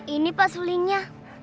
ini pak sulingnya